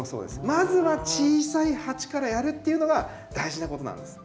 まずは小さい鉢からやるっていうのが大事なことなんです。